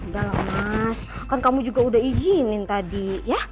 udah loh mas kan kamu juga udah izinin tadi ya